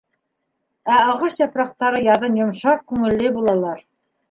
Ә ағас япраҡтары яҙын йомшаҡ күңелле булалар.